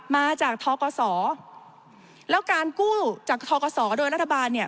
มาจากทกศแล้วการกู้จากทกศโดยรัฐบาลเนี่ย